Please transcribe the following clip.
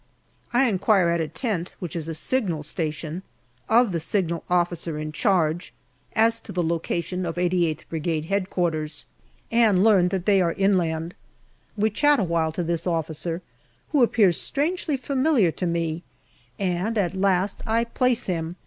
I inquire at a tent, which is a signal station, of the Signal Officer in charge, as to the location of 88th Brigade H.Q., and learn that they are inland. We chat awhile to this officer, who appears strangely familiar to me, and at last I place him.